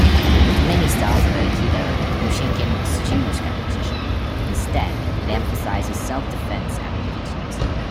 Like many styles of aikido, Yoshinkan eschews competition; instead, it emphasizes self-defence applications.